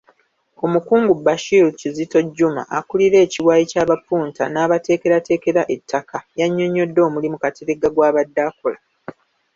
Omukungu Bashir Kizito Juma akulira ekiwayi ky’abapunta n’abateekerateekera ettaka yannyonnyodde omulimu Kateregga gw’abadde akola.